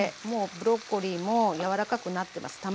もうブロッコリーも柔らかくなってます。